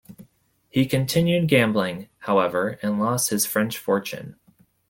He continued gambling, however, and lost his French fortune.